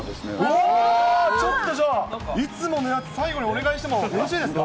うおー、ちょっとじゃあ、いつものやつ、最後にお願いしてもよろしいですか。